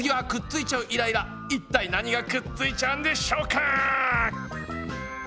いったい何がくっついちゃうんでしょうか？